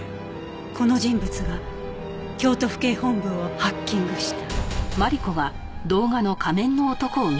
この人物が京都府警本部をハッキングした。